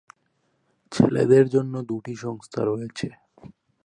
ছেলেদের জন্য দুটি সংস্থা রয়েছে।